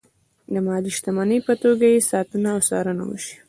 د ملي شتمنۍ په توګه یې ساتنه او څارنه وشي.